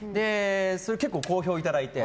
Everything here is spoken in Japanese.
結構、好評をいただいて。